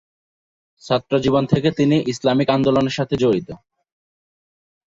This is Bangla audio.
ছাত্রজীবন থেকে তিনি ইসলামি আন্দোলনের সাথে জড়িত।